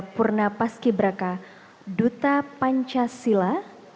pernah paski beraka duta pancasila